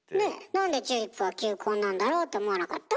なんでチューリップは球根なんだろうと思わなかった？